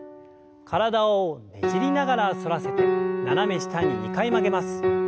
体をねじりながら反らせて斜め下に２回曲げます。